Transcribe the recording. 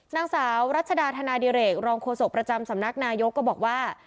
นางสาวรัชดาธนาดิเรกรองโฆษกประจำสำนักนายกก็บอกว่า